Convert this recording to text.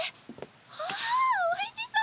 わあおいしそう！